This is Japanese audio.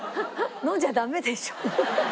飲んじゃダメでしょ。